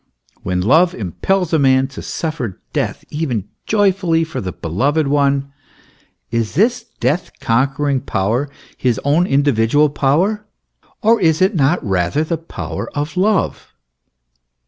When love impels a man to suffer death even joyfully for the beloved one, is this death conquer ing power his own individual power, or is it not rather the power of love